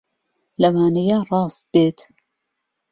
لەوانەیە ڕاست بێت